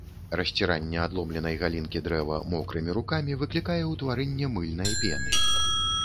Расціранне адломленай галінкі дрэва мокрымі рукамі выклікае ўтварэнне мыльнай пены.